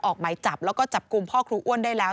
ออกมาจับและจับกุมพ่อครูอ้วนได้แล้ว